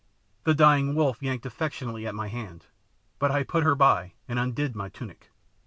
The dying wolf yanked affectionately at my hand, but I put her by and undid my tunic.